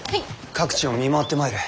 各地を見回ってまいる。